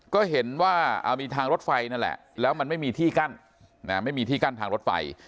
ก็เห็นว่ามีทางรถไฟนั่นแหละแล้วมันไม่มีที่กั้นไม่มีที่กั้นทางรถไฟ